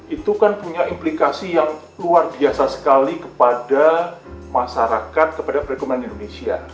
itu kan punya implikasi yang luar biasa sekali kepada masyarakat kepada perekonomian indonesia